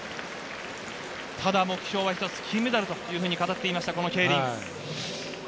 ただ目標は一つ、金メダルと語っていました、ケイリン。